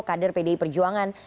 kader pdi perjuangan